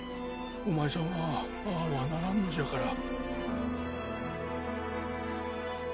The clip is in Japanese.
お前さんはああはならんのじゃから。